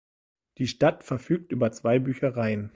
Die Stadt verfügt über zwei Büchereien.